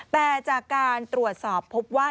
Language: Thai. แต่จากการตรวจสอบพบว่า